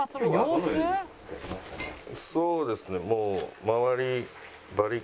そうですねもう。